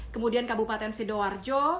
kemudian kabupaten sidoarjo